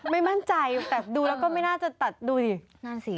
ไม่มั่นใจแบบดูแล้วก็ไม่น่าจะดูดิ